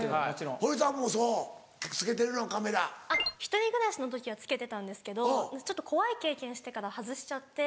１人暮らしの時はつけてたんですけどちょっと怖い経験してから外しちゃって。